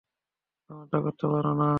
এমনটা করতে পারো না।